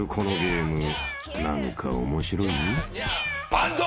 バンド！